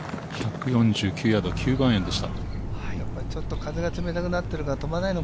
１４９ヤード、９番アイアンでした。